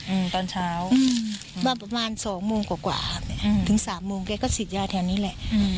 อืมตอนเช้าอืมบ้างประมาณสองมูลกว่ากว่าถึงสามมูลเราก็สีช่อแถวนี้แล้ว